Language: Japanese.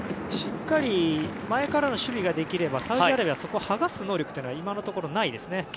しっかり前からの守備ができれば、サウジアラビアはそこを剥がす能力は今のところないですね。